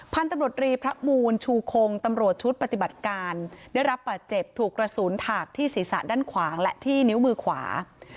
พันธุ์ตำรวจรีพระมูลชูคงตำรวจชุดปฏิบัติการได้รับบาดเจ็บถูกกระสุนถากที่ศีรษะด้านขวาและที่นิ้วมือขวา